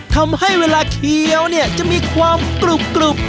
ทำให้เวลาเคี้ยวเนี่ยจะมีความกรุบ